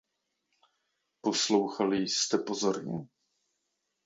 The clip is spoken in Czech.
Poslouchali jste pozorně?